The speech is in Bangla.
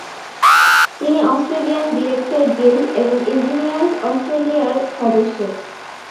তিনি অস্ট্রেলিয়ান ডিরেক্টর গিল্ড এবং ইঞ্জিনিয়ার্স অস্ট্রেলিয়ার সদস্য।